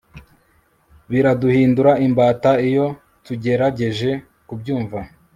biraduhindura imbata iyo tugerageje kubyumva